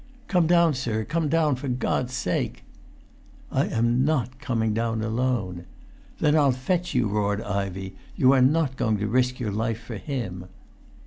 "Come down, sir, come down, for God's sake!" "I am not coming down alone." "Then I'll fetch you," roared Ivey; "you are not going to risk your life for him!"